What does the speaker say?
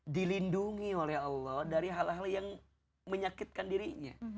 dilindungi oleh allah dari hal hal yang menyakitkan dirinya